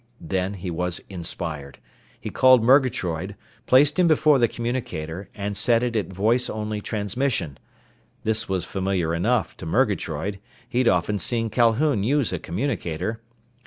Then he was inspired. He called Murgatroyd, placed him before the communicator, and set it at voice only transmission. This was familiar enough, to Murgatroyd. He'd often seen Calhoun use a communicator.